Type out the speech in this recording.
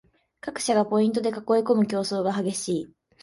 各社がポイントで囲いこむ競争が激しい